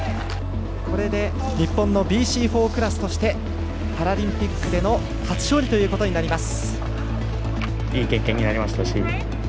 これで日本のＢＣ４クラスとしてパラリンピックでの初勝利ということになります。